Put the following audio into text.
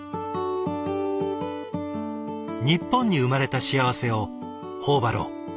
日本に生まれた幸せを頬張ろう。